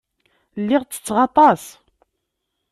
Lliɣ ttetteɣ aṭas.